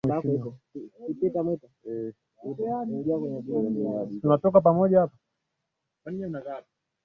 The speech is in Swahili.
Hali hii inaleta madhara makubwa ya afya kwa umma